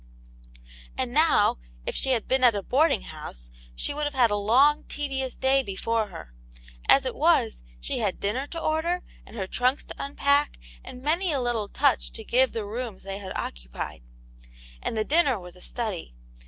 And now, if she had been at a boarding house, she would have had a long, tedious day before her. As it was, she had dinner to order, and her trunks to unpack, and many a little touch to give the rooms they had occupied. And the dinner was a study.